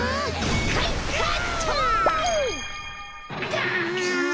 ガン！